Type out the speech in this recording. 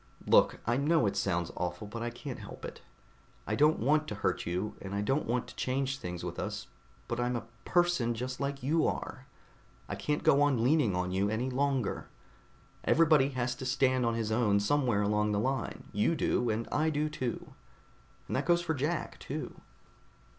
"Look, I know it sounds awful, but I can't help it. I don't want to hurt you, and I don't want to change things with us, but I'm a person just like you are. I can't go on leaning on you any longer. Everybody has to stand on his own somewhere along the line. You do, and I do, too. And that goes for Jack, too."